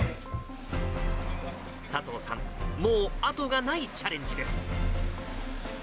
佐藤さん、もう後がないチャレンジです。